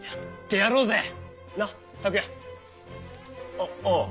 あああ！